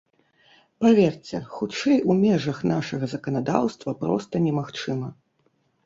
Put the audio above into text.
Паверце, хутчэй у межах нашага заканадаўства проста немагчыма.